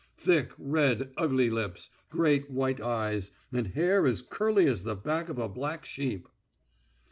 Thick, red, ugly lips, great white eyes, and hair as curly as the back of a black sheep."